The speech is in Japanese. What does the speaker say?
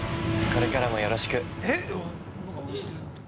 これからもよろしく。